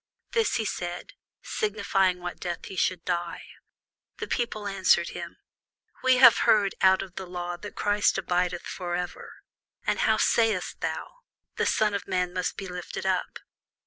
This he said, signifying what death he should die. The people answered him, We have heard out of the law that Christ abideth for ever: and how sayest thou, The Son of man must be lifted up?